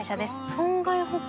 損害保険？